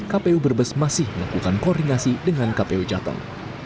kpu berbes masih melakukan koordinasi dengan kpu jateng